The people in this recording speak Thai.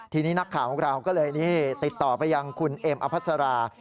ทีนี้นักข่าวของเราก็เลยนี่ติดต่อไปยังคุณเอ็มอภัสรา